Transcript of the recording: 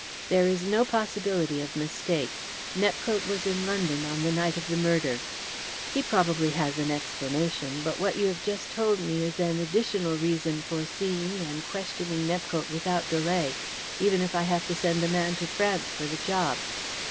There is no possibility of mistake. Nepcote was in London on the night of the murder." "He probably has an explanation, but what you have just told me is an additional reason for seeing and questioning Nepcote without delay, even if I have to send a man to France for the job."